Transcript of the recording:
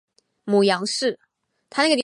母杨氏。